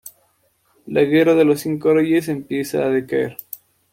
La Guerra de los Cinco Reyes empieza a decaer.